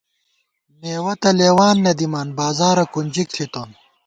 مېوَہ تہ لېوان نہ دِمان بازارہ کُنجِک ݪِتون